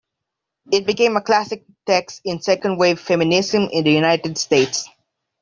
It became a classic text in second-wave feminism in the United States.